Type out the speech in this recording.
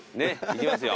行きますよ。